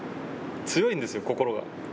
強いんですよ、心が。